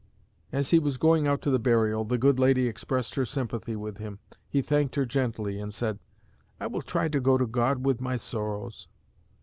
As he was going out to the burial, the good lady expressed her sympathy with him. He thanked her gently, and said, 'I will try to go to God with my sorrows.'